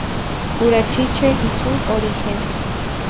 Urachiche y su origen.